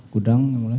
gudang ya mulia